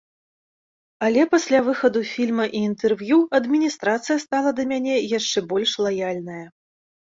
Але пасля выхаду фільма і інтэрв'ю адміністрацыя стала да мяне яшчэ больш лаяльная.